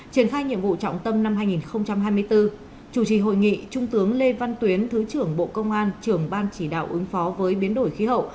triển khai nhiệm vụ trọng tâm năm hai nghìn hai mươi bốn chủ trì hội nghị trung tướng lê văn tuyến thứ trưởng bộ công an trưởng ban chỉ đạo ứng phó với biến đổi khí hậu